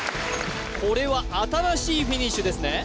これは新しいフィニッシュですね